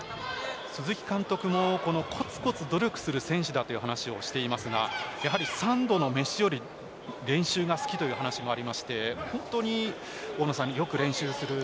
鈴木監督もコツコツ努力する選手だという話をしていますが３度の飯より練習が好きという話もありまして本当に大野さん